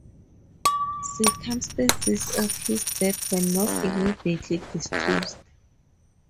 Circumstances of his death were not immediately disclosed.